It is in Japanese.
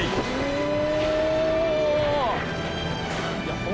お！